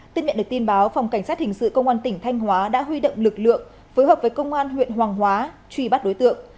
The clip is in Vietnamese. tin miệng được tin báo phòng cảnh sát hình sự công an tỉnh thanh hóa đã huy động lực lượng phối hợp với công an huyện hoàng hóa truy bắt đối tượng